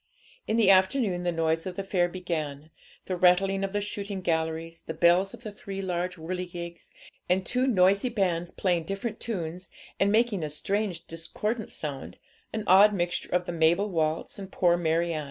In the afternoon the noise of the fair began, the rattling of the shooting galleries, the bells of the three large whirligigs, and two noisy bands playing different tunes, and making a strange, discordant sound, an odd mixture of the 'Mabel Waltz,' and 'Poor Mary Ann.'